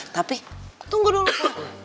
tapi tunggu dulu pak